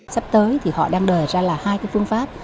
sắp tới thì họ đang đề ra là hai cái phương pháp